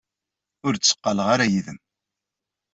Ur d-tteqqaleɣ ara yid-m.